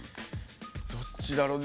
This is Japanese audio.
どっちだろう？